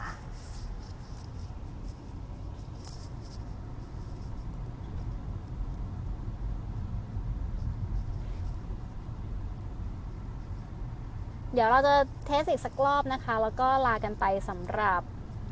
เดี๋ยวเราจะเทสอีกสักรอบนะคะแล้วก็ลากันไปสำหรับ